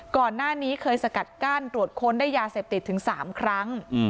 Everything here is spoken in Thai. ก่อนหน้านี้เคยสกัดกั้นตรวจค้นได้ยาเสพติดถึง๓ครั้ง